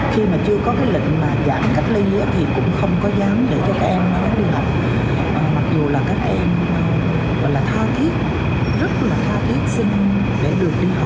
khi mà chưa có cái lệnh giảng cách ly thì cũng không có dám để cho các em đi học